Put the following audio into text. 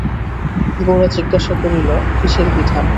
গোরা জিজ্ঞাসা করিল, কিসের বিধান?